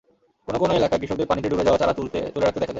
কোনো কোনো এলাকায় কৃষকদের পানিতে ডুবে যাওয়া চারা তুলে রাখতে দেখা যায়।